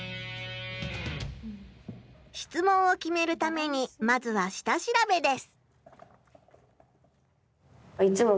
質問を決めるためにまずは下調べです。